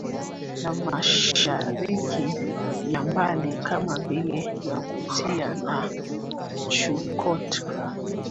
na Mashariki ya Mbali kama vile Yakutia na Chukotka